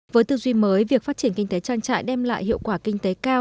với tư duy mới việc phát triển kinh tế trang trại đem lại hiệu quả kinh tế cao